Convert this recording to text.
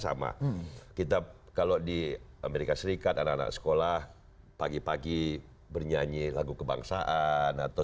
sama kita kalau di amerika serikat anak anak sekolah pagi pagi bernyanyi lagu kebangsaan atau